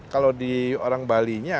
kalau di orang bali nya